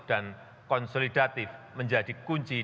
dan konsolidatif menjadi kepentingan